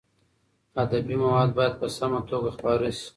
ادبي مواد باید په سمه توګه خپاره شي.